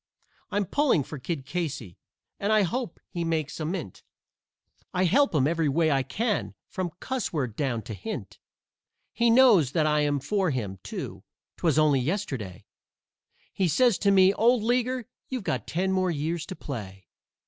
I'm pulling for Kid Casey, and I hope he makes a mint, I help him every way I can, from cussword down to hint; He knows that I am for him, too 'twas only yesterday He says to me, "Old leaguer, you've got ten more years to play."